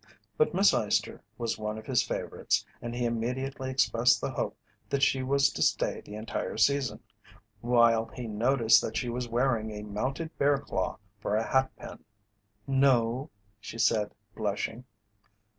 But Miss Eyester was one of his favourites, and he immediately expressed the hope that she was to stay the entire season, while he noticed that she was wearing a mounted bear claw for a hat pin. "No," she replied, blushing.